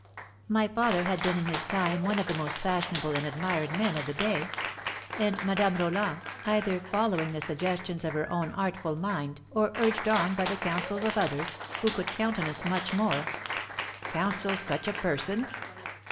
"My father had been in his time one of the most fashionable and admired men of the day. And Madame Roland, either following the suggestions of her own artful mind or urged on by the counsels of others, who could countenance much more " "Counsel such a person!"